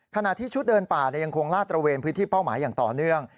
ขณะที่ชุดเดินป่ายังคงลาดตระเวนพื้นที่เป้าหมายอย่างต่อเนื่อง